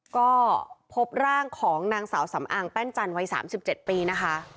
ก็พบร่างของนางสาวสำอางแป้นจันทร์วัย๓๗ปีนะคะ